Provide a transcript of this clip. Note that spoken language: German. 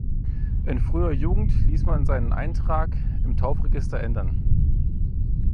In früher Jugend ließ man seinen Eintrag im Taufregister ändern.